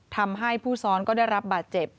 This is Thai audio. ทำให้ผู้ซ้อนก็ได้รับบาดเจ็บ